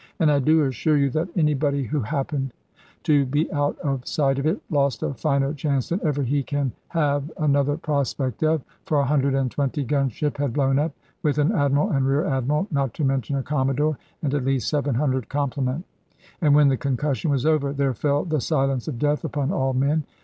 And I do assure you that anybody who happened to be out of sight of it, lost a finer chance than ever he can have another prospect of. For a hundred and twenty gun ship had blown up, with an Admiral and Rear Admiral, not to mention a Commodore, and at least 700 complement. And when the concussion was over, there fell the silence of death upon all men.